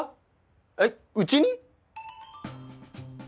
えっうちに！？